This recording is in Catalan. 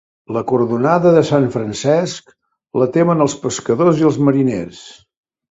La cordonada de sant Francesc, la temen els pescadors i els mariners.